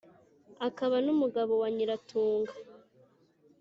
akaba n’umugabo wa Nyiratunga